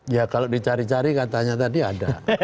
ya kalau dicari cari katanya tadi ada